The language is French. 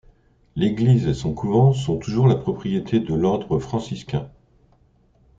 L'église et son couvent sont toujours la propriété de l'ordre franciscain.